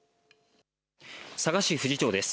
佐賀市富士町です。